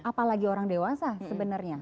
apalagi orang dewasa sebenarnya